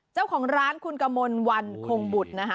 เจ้าของร้านคุณกมลวันคงบุตรนะคะ